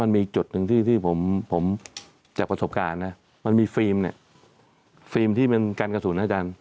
มันมีอีกจุดหนึ่งที่ผมจับประสบการณ์มันมีฟิล์มฟิล์มที่มันกันกระสุนอาจารย์